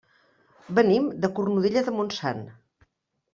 Venim de Cornudella de Montsant.